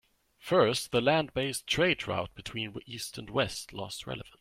First, the land based trade route between east and west lost relevance.